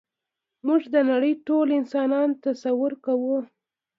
موږ د نړۍ ټول انسانان تصور کوو.